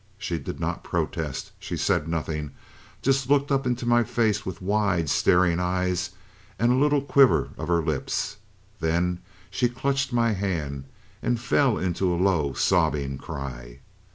She did not protest. She said nothing just looked up into my face with wide, staring eyes and a little quiver of her lips. Then she clutched my hand and fell into a low, sobbing cry.